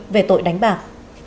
về tội đánh bạc